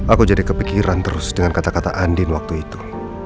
aku jadi kepikiran terus dengan kata kata andin waktu itu